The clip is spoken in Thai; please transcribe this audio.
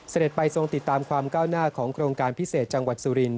ไปทรงติดตามความก้าวหน้าของโครงการพิเศษจังหวัดสุรินท